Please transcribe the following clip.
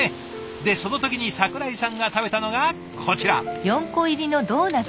でその時に櫻井さんが食べたのがこちら！